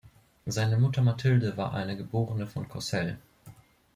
Seine Mutter Mathilde war eine geborene von Cossel.